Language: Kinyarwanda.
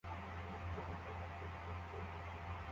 Abashakanye bifotozanya kumusozi wibyatsi kumunsi wijimye